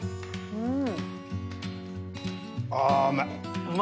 うん！